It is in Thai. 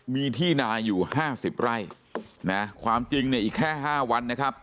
มีที่นาอยู่๕๐ไร่นะความจริงเนี่ยอีกแค่๕วันนะครับ